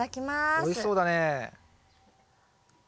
おいしそうだね。